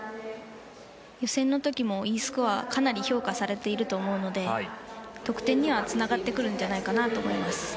予選の時もＥスコアはかなり評価されていると思うので得点にはつながってくるんじゃないかなと思います。